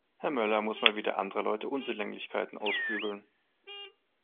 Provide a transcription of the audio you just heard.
Herr Möller muss mal wieder anderer Leute Unzulänglichkeiten ausbügeln.